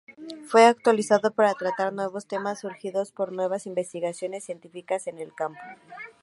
Fue actualizado para tratar nuevos temas surgidos por nuevas investigaciones científicas en el campo.